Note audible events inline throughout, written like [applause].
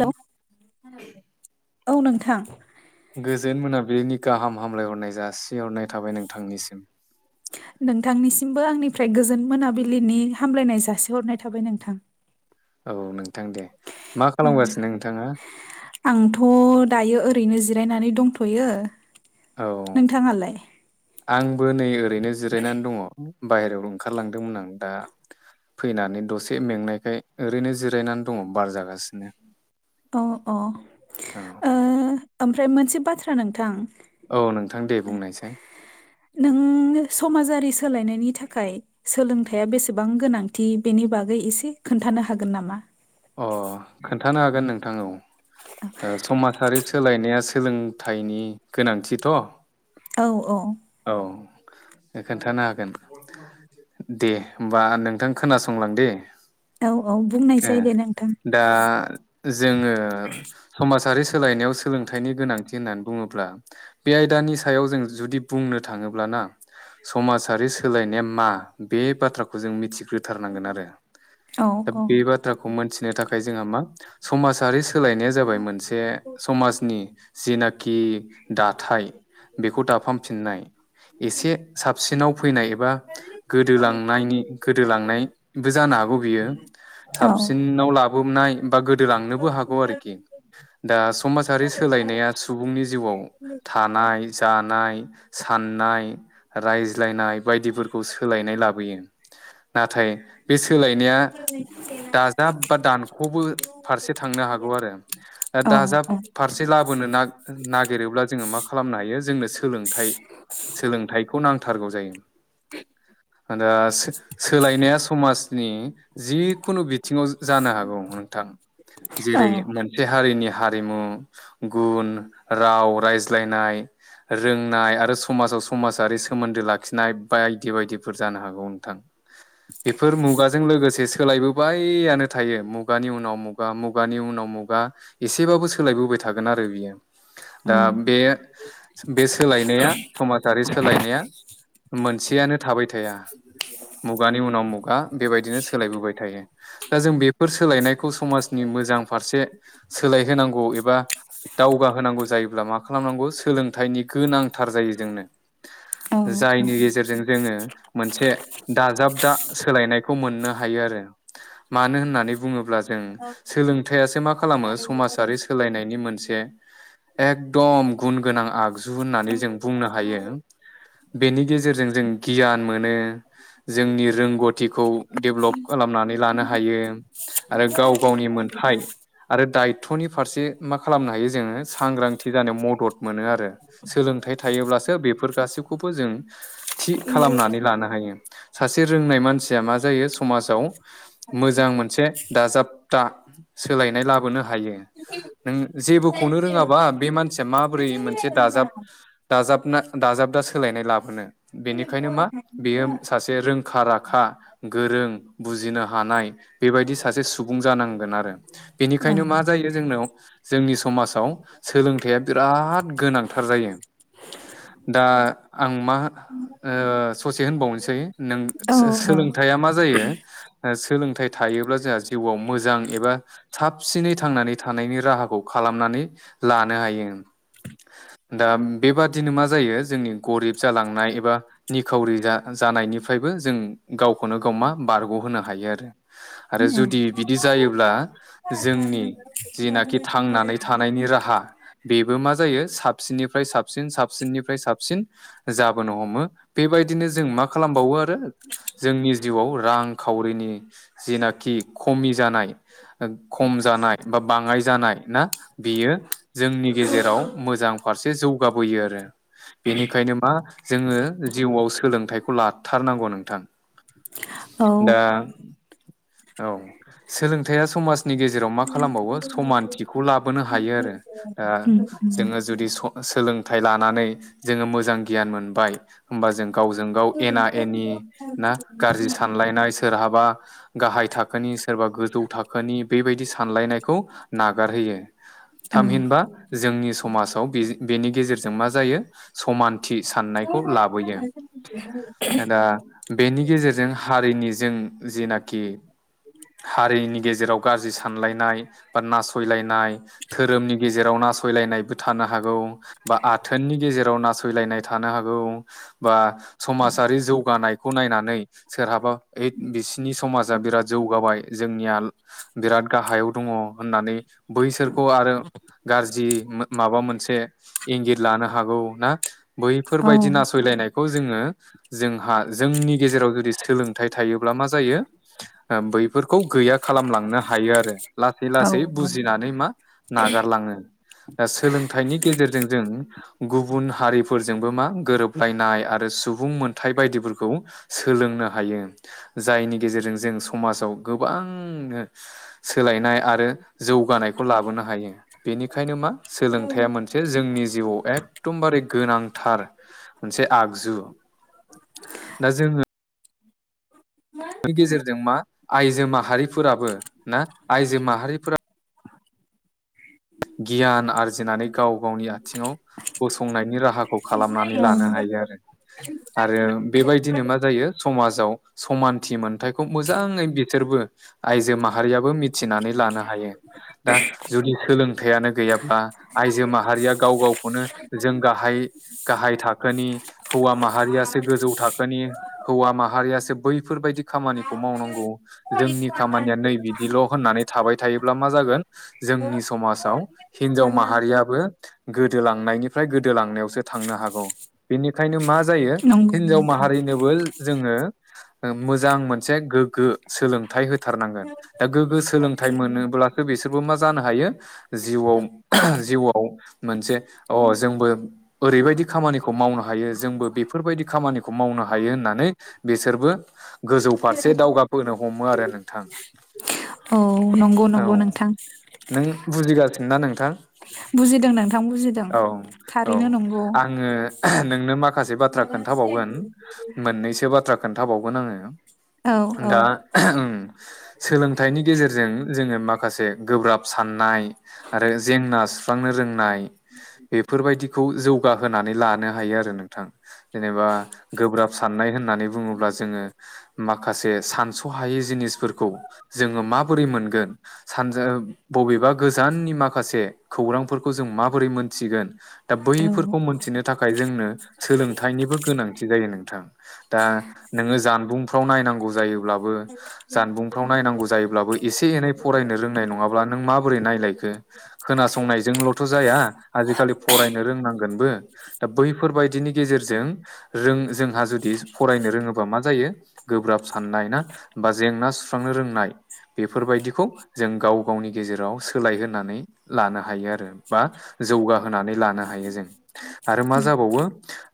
Hello औ नोंथां गोजोन मोनाबिलिनि गाहाम हामलायहरनाय जासिहरनाय थाबाय नोंथांनिसिम नोंथांनिसिमबो आंनिफ्राय गोजोन मोनाबिलिनि हामग्लायनाय जासिहरनाय थाबाय नोंथां औ नोंथां दे मा ओं खालामगासिनो नोंथाङा आंथ' दायो ओरै रैनो जिरायनानै दंथ'यो। औ नोंथाङालाय? आंबो नै ओ ओरैनो जिरायनानै दङ। बायेरायाव ओंखारलांदोंमोन आं दा फैनानै दसे मेंनायखाय ओरैनो जिरायनानै दङ बार जागासिनो। अ अ औ ओ ओमफ्राय मोनसे बाथ्रा नोंथां औ नोंथां दे बुंनायसाय थमाजारि सोलायनायनि थाखाय सोलोंथाइया बेसेबां गोनांथि बेनि बागै एसे खोन्थानो हागोन नामा? अ खोन्थानो हागोन नोंथां औ ओ समाजहारि सोलायनायास सोलोंथाइनि गोनांथिथ' औ औ औ खोन्थानो हागोन दे होमबा नोंथां खोनासंलां दे औ औ ए बुंनायसै दे ना दा जोङो समाजारि सोलायनायाव सोलोंथाइनि गोनांथि होननानै बुङोब्ला बे आयदानि सायाव जों जुदि बुंनो थाङोब्लाना समाजारि सोलायनाया मा बे बाथ्राखौ जों मिथिग्रोथारनांगोन आरो औ दा औ बे बाथ्राखौ मिथिनो थाखाय जोंहा मा समाजारि सोलायनाया जाबाय मोनसे समाजनि जिनाखि दाथाय बेखौ दाफामफिननाय एसे साबसिनाव फैनाय एब बा गोदो लांनायनि गोदो जानोहागौ बियो औ लाोननाय बा गोदोलांनोबो हागौ आरोखि दा समाजारि सोलायनाया सुबुंनि जिउआव थानाय जानाय साननाय रायज्लायनाय बायदिफोरखौ सोलायनाय लाबोयो नाथाय बे सोलायनाया दाजाब बा दानख'बो फारसे थांनो हागौ आरो दा औ दाजाब फारसे लाबोनो ना नागि गिरोब्ला मा खालामनो हायो जों सोलोंथाइ सोलोंथाइखौ नांथारगौ जायो। दा सो-सोलायनाया समाजनि जि खुनु बिथिङाव जानो हागौ नोंथां। औ जेरै मोनसे हारिनि हारिमु गुन राव रायज्लायनाय रोंनाय आरो स माजाव समाजारि सोमोन्दो लाखि नाय बायदि बायदिफोर जानो हागौ नोंथां। बेफोर मुगाजों लोगोसे सोलायबो यानो थायो मुगानि उनाव मुगा मुगानि उनाव मुगा एसेबाबो सोलायबोबाय थागोन आरो बियो। दा बे बे सोलायनाया समाजारि सोलायनाया मोनसेयानो थाबाय थाया मुगानि उनाव मुगा बेबायदिनो सोलायबोबाय थायो। दा जों बेफोर सोलायनायखौ समाजनि मोजां फारसे सोलायहोनांगौ एबा दावगाहोनांगौ जायोब्ला मा खालामनांगौ सोलों थाइनि गोनांथार जायो जोंनो। औ जायनि गेजेरजों जोङो मोनसे दाजाब दा सोलायनायखौ मोननो हायो आरो। मानो होननानै बुङोब्ला जों सोलोंथाइसो मा खालामो समाजारि सोलायनायनि मोनसे दे एकदम गुन गोनां आ गजु होननानै जों बुंनो हायो। बेनि गेजेरजों जों गियान मोन जों रोंगथिखौ डेल्बब खालामनानै लानो हायो आरो गाव गावनि मोनथाइ आरो दायथ'नि फारसे मा खालामनो हायो जोङो सांग्रांथि जानायाव मदद मोनो आरो सोलोंथाइ थायोब्लासो बेफोर गासैखौबो जों थि खालामनानै लानो हायो। सासे रोंनाय मानसि या मा जायो समाजाव मोजां मोनसे दाजाब दा सोलायनाय लाबोनो हायो नों जेबोखौनो रोङाबा बे मानसिया माबोरै मोनसे दाजाब दाजाब ना दाजाब दा सोलायनाय लाबोनो। बेनिखायनो मा बेयो सासे रोंखा राखा गोरों बुजिनो हानाय बेबायदि सासे सुबुं जानांगोन आरो। बेनिखायनो मा जायो जोंनाव जोंनि समाजाव सोलोंथाइया बिराद गोनांथार जायो। दा आं मा ओ ससे होनबावनोसै नों औ औ सोलोंथाइया मा जायो ओ सोलों थायोब्ला जोंहा जिउआव मोजां एबा साबसिनै थांनानै थानायनि राहाखौ खालामनानै लानो हायो। दा बेबादिनो मा जायो जोंनि गरिब जालांनाय एबा निखावरि जा-जानायनिफ्रायबो जों गावखौनो गाव मा बारग' होनो हायो आरो। आरो औ जुदि बिदि जायोब्ला जोंनि जिनाखि थांनानै थानायनि राहा बेबो मा जायो साबसिननिफ्राय साब सिन साबसिननिफ्राय साबसिन जाबोनो हमो। बेबायदिनो जों मा खालामबावो आरो जोंनि जिउआव रां खावरिनि जिनाखि खमि जानाय खम जानाय बा बाङाय जानाय ना बियो जोंनि गेजेराव मोजां फारसे जौ गाबोयो आरो। बेनिखायनो मा जोङो जिउआव सोलोंथाय खौ लाथारनांगौ नोंथां। [unintelligible] दा औ सोलोंथाइया समाजनि गेजेराव मा खालामबावो समानथिखौ लाबोनो हायो आरो दा जोङो जुदि सोलोंथाइ लानानै जोङो मोजां गियान मोनबाय। होमबा जों गावजों गाव एना एनि ना गाज्रि सान सोरहाबा गाहाय थाखोनि सोरबा गोजौ थाखोनि बेबायदि सानलायनायखौ खौ नागारहोयो। औ थामहिनबा जोंनि समाजाव बेजो बेनि गेजेरजों मा जायो समानथि साननायखौ लाबोयो। दा बेनि गेजेरजों हारिनि जों जिनाखि हारि नि गेजेराव गाज्रि सानलायनाय बा नासयलायनाय धोरोमनि गेजेराव नासयलायनाय बो थानो हागौ। बा आथोननि गेजेराव नासयलायनाय थानो हागौ बा समाजारि जौगानाय खौ नायनानै सोरहाबा ओइ बिसिनि समाजा बिराद जौगाबाय जोंनिया बिराद गाहायाव दङ होननानै बैसोरखौ आरो गाज्रि माबा मोनसे इंगित लानो हागौ ना। औ बैफोरबायदि नासयलायनायखौ। जोङो जोंहा जोंनि गेजेराव गोदो। सोलोंथाइ थायोब्ला मा जायो बै। बेफोरखौ गैया खालामलांनो हायो आरो लासै औ लासै बुजिनानै मा नागारलाङो दा सोलोंथाइनि गेजेरजों जों। गुबुन हारिफोरजोंबो मा गोरोबलायनाय आरो सुबुं मोनथाइ बायदिफोरखौ सोलोंनो हायो जायनि गेजेरजों जों समाजाव गोबांनो सोलायनाय आरो। जौगानायखौ लाबोनो हायो बेनिखायनो मा सोलोंथाइया मोनसे जोंनि जिउआव एखदमबारे गोनांथार मोनसे आगजु दा जोङो गेजेरजों मा आइजो माहारिफोराबो ना आइजो माहारिफोरा गियान आरजिनानै गाव गावनि आथिङाव गसंनायनि राहाखौ खालामनानै औ लानो हायो आरो आरो बेबायदिनो मा जायो समाजाव समानथि मोन थायखौ मोजाङै बिथोरबो आइजो माहारियाबो थिनानै लानो हायो दा जुदि सोलों गैयाब्ला आइजो माहारिया गाव गाव खौनो जों गाहाय गाहाय थाखोनि हौवा माहारियासो गोजौ थाखोनि हौवा माहारियासो बैफोरबायदि खामानिखौ मावनांगौ जोंनि खामानिया नै बि बिल' होननानै थाबाय थायोब्ला मा जागोन जोंनि समाज दाउ हिनजाव माहारियाबो गोदोलांनायनिफ्राय गोदोलांनायावसो थांनो हागौ बेनिखायनो मा जायो नंगौ हिनजाव नोंथां माहारिनोबो जोङो मोजां मोनसे गोग्गो सोलों थाइ होथारनांगोन दा गोग्गो सोलोंथाइ मोनोब्लासो बिसोरबो मा जानो हायो। जिउआव जिउआव मोनसे अ जोंबो ओरैबायदि खामानिखौ मावनो हायो जोंबो बेफोरबायदि खामानिखौ मावनो हायो होननानै बिसोरबो गोजौ फारसे दावगाबोनो हमो आरो नोंथां औ नंगौ नंगौ औ नोंथां नों [unintelligible] ना नोंथां। बुजिदों नोंथां बुजिदों औ औ थारैनो नंगौ। आङो नोंनो मा माखासे बाथ्रा खोन्थाबावगोन मोननैसो बाथ्रा खोन्थाबावगोन आङो औ औ दा सोलोंथाइनि गेजेरजों जोङो माखा माखासे गोब्राब सान नाय आरो जेंना सुना स्रांनो रोंनाय बेफोरबायदि बेखौ जौगाहोनानै लानो हायो आरो नोंथां जेनेबा गोब्राब साननाय होननानै बुङोब्ला जोङो माखासे सानस हायै जिनिसफोरखौ जोङो माबोरै मोनगोन? सानजा बबेबा गोजाननि माखासे खौरांफोरखौ जों माबोरै मोन थिगोन दा औ बैफोरखौ मोनथिनो थाखाय जोंनो सोलों थाइ निबो गोनाथि जायो नोंथां दा नों जाम्बुंफ्राव नायनांगौ जायोब्लाबो जानबुंफ्राव नायनांगौ जायोब्लाबो एसे एनै फरायनो रोंनाय नङाब्ला नोंमाबो बोरै नायलायखो खोनासंनायजोंलथ जाया आजिखालि फरायनो रोंनांगोनबो दा बैफोरबायाददिनि गेजेरजों रों जोंहा जुदि फरायनो रोङोबा मा जायो गोब्राब साननाय ना बा जेंना सुस्रांनो रोंनाय बेफोरबायदिखौ जों गाव गावनि गेजेराव सोलायहोनानै लानो हायो आरो बा जौगाहोनानै लानो हायो जों आरो मा जाबावो?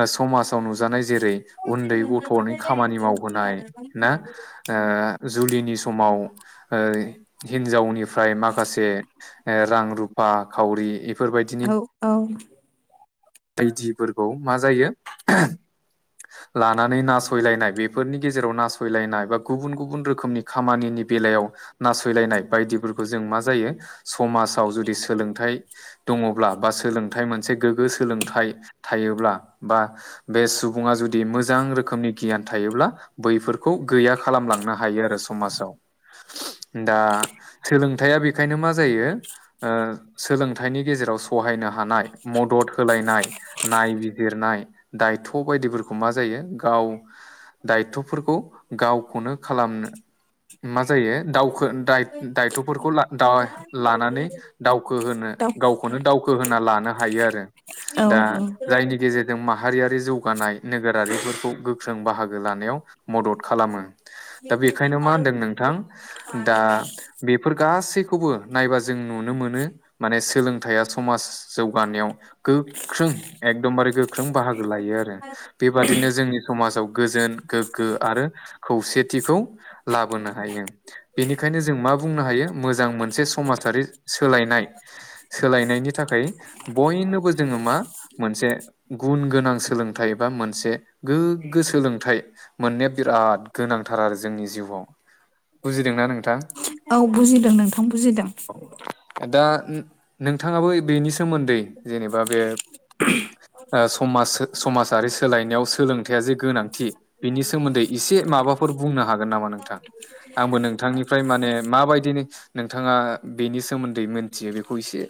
ओ समाजाव नुजानाय जेरै उन्दै गथनि खामानि मावबोनाय ना ओ जुलिनि समाव ओ हिनजावनिफ्राय माखासे से रां रुफा खावरि इफ औ औ बायदिफोरखौ मा जायो लानानै नासयलायनाय बेफोरनि गेजेराव नासयलायनाय बा गुबुन गुबुन रोखोमनि खामानिनि बेलायाव नासयलायनाय बायदिफोरखौ जों मा जायो? समाजाव जुदि सोलोंथाइ दङ ब्ला बा सोलोंथाइ मोनसे गोगो सोलों थाइ थायोब्ला बा बे सुबुंआ जुद दि मोजां रोखोमनि गियान थायोब्ला बैफोरखौ गैया खालामलांना हायो आरो समाजाव दा सोलोंथाइया बेखायनो मा जायो ओ सोलोंथाइनि गेजेराव सहायनो हानाय मदद होलायनाय नायबिजिरनाय दायथ बायदिफोरखौ मा जायो गाव दायथफोरखौ गावखौनो खालामनो मा जायो दावखो दाय दायथफोरखौ‌ लान दाय लानानै दावखो होनो दाउ गावखौनो दावखो होना लानो हायो आरो औ आ औ जायनि गेजेरजों माहारियारि जौगानाय नोगोरा आरिफोरखौ गो ख्रों बाहागो लानायाव मदद खालामो दा बेखायनो मा होनदों नोंथां दा बेफोर गासै खौबो नायबा जों नुनो मोनो माने सोलोंथाइया समाज जौगानायाव गो ख्रों एकदमबारे गो गोख्रों बाहागो लायो आरो बेबादिनो जोंनि समाजाव गोजोन गोग्गो आरो खौसेथिखौ लाबोनो हायो बेनिखायनो जों मा बुंनो हायो मोजां मोनसे समाजारि सोलायनाय सोलायनायनि थाखाय बयनोबो जोङो मा? मोनसे गुन गोनां सोलोंथाइ बा मोनसे गोग्गो सोलोंथाइ मोननाया बिराद गोनांथार आरो जोंनि जिउआव बुजिदोंना नोंथां? औ बुजिदों नोंथां बुजिदों। दा नोंथाङाबो बेनि सोमोन्दै जेनेबा बे समाज समाजारि सोलायनायाव सोलोंथायाइया जे गोनांथि बिनि सोमोन्दै एसे माबाफोर बुंनो हा हागोन नोमा नों नोंथां। आंबो नोंथांनिफ्राय माने माबायदि नोंथाङा बेनि सोमोन्दै मोनथियो बेखौ एसे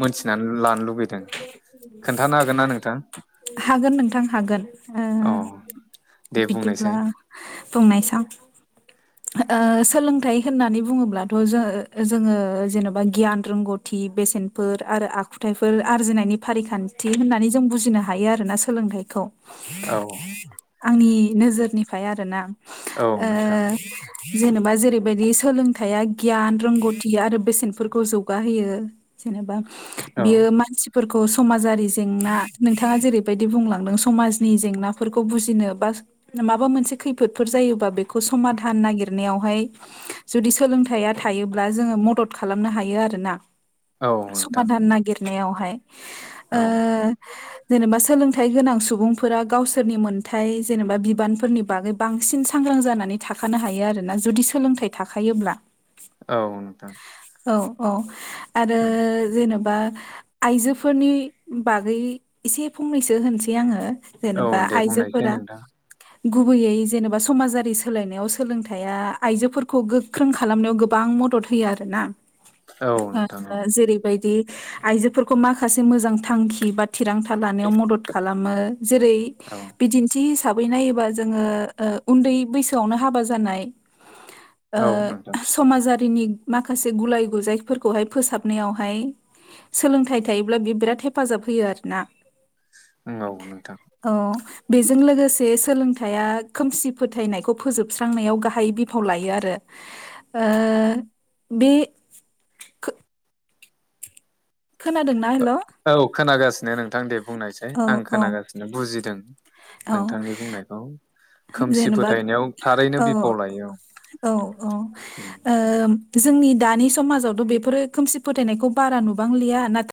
मोनथिनानै लानो लुुबैदों। खोन्थानो हागोन ना नोंथां? हागोन नोंथां हागोन औ दे बिदिब्ला बुंनायसाय बुंनाय सां ओ सोलोंथाइ होननानै बुङोब्लाथ' जो जोङो जेन'बा गियान रोंगौथि बेसेनफोर आरो आखुथायाइफोर आरजिनायनि फारिखान्थि होननानै जों बुजिनो हायो आरोना सोलोंथाइखौ। औ आंनि नोजोरनिफ्राय आरोना औ ओ नोंथां जेनेबा जेरैबायदि सोलोंथाइया गियान रोंगौथि आरो बेसेनफोरखौ जौगााहोयो जेनेबा औ बियो मानसि फोरखौ समाजारि जेंना नोंथाङा जेरैबायदि बुंलांदों समाजनि जेंनाफोरखौ बुजिनो बा माबा मोनसे खैफोदफोर जायोबा बेखौ समधान नागिर नायावहाय जुदि सोलोंथाइया थायोब्ला जोङो मदद खालामनो हायो आरोना। औ नोंथां समाधान नागिर नायावहाय ओ औ जेनेबा सोलोंथाइ गोनां सुबुंफोरा गावसोरनि मोनथाय जेनेबा बिबानफोरनि बागै बांसिन सांग्रां जानानै थाखानो हायो आरो ना जुदि सोलोंथाइ थाखायोब्ला औ नोंथां औ औ आरो ओं जेन'बा आइजोफोरनि बागै इसे फंनैसो होनसै आङो औ जेनेबा दे बुंनायसाय आइजोफोरा नोंथां गुबैयै जेनेबा समाजारि सोलायनायाव सोलोंथाइ थाइआ आइजोफोरखौ गोख्रों खालामनायाव गोबां मदद होयो आरोना औ ओ नोंथां औ जेरै बायदि आइजोफोरखौ माखासे मोजां थांखि बा थिरांथा लानायाव मदद खालामो जेरै औ बिदिन्थि हिस साबै नायोबा जोङो ओ उन्दै बैसोआवनो हाबा जानाय [unintelligible] ओ औ नोंथां समाजा [unintelligible] माखासे गुलाय गुजायफोरखौहाय फोसाबनायावहाय सोलोंथाइ थायोब्ला बे बिराद हेफाजाब होयो आरोना, नंगौ नोंथां औ बेजों लोगोसे सोलोंथाइया खोमसि फोथायनायखौ फोजोबस्रांनायाव गा हाय बिफाव लायो आरो ओ बे खोनादोंना हेलौ, नो नोंथां दे बुंनायसै आं खोनागासिनो बुजिदों, औ नोंथांनि बुंनायखौ खोमसि जेनेबा फोथायनायाव थारैनो औ बिफाव लायो औ औ औ ओ उम। जोंनि दानि समाजावथ' बेफोरो खोमसि फोथायनायखौ बारा नुबांलिया नाथा